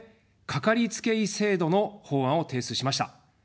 かかりつけ医制度の法案を提出しました。